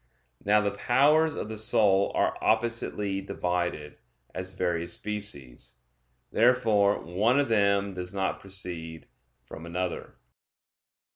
Now the powers of the soul are oppositely divided, as various species. Therefore one of them does not proceed from another.